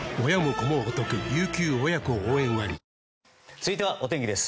続いてはお天気です。